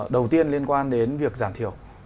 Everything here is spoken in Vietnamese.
đầu tiên liên quan đến việc giảm thiểu